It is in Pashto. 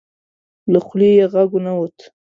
له خولې یې غږ ونه وت.